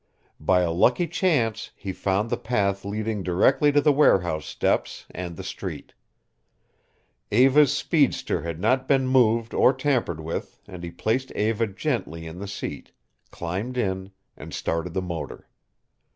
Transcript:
By a lucky chance he found the path leading directly to the warehouse steps and the street. Eva's speedster had not been moved or tampered with and he placed Eva gently in the seat, climbed in, and started the motor.